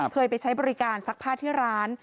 เคยไปใช้บริการซักผ้าที่ร้าน